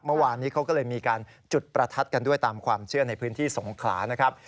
เมื่อวานนี้เขาก็เลยมีการจุดประทัดกันด้วยตามความเชื่อในพื้นที่สงขลานะครับ